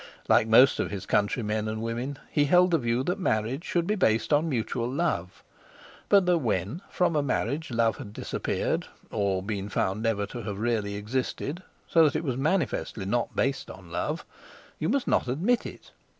Like most of his countrymen and women, he held the view that marriage should be based on mutual love, but that when from a marriage love had disappeared, or, been found never to have really existed—so that it was manifestly not based on love—you must not admit it.